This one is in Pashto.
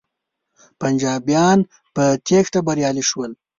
پنجابیان په تیښته بریالی شول.